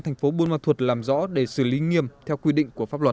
thành phố buôn ma thuật làm rõ để xử lý nghiêm theo quy định của pháp luật